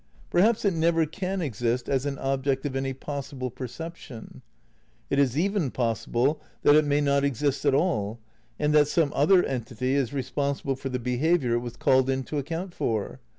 Perhaps it never can exist as an object of any possible perception. It is even possible that it may not exist at all, and that some other entity is responsible for the behaviour it was called in to account for.